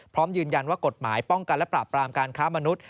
พร้อมยืนยันว่ากฎหมายป้องกันและปราบปรามการค้ามนุษย